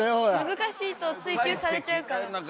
難しいと追及されちゃうから。